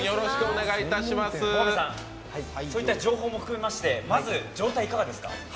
そういった情報も含めましてまず、状態いかがですか？